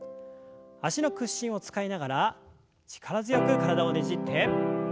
脚の屈伸を使いながら力強く体をねじって。